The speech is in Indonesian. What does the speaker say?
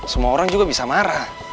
semua orang juga bisa marah